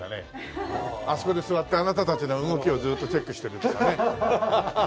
あそこで座ってあなたたちの動きをずっとチェックしてるとかね。